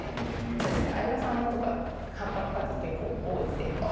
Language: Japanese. そうですね相葉さんのとか葉っぱの数結構多くて。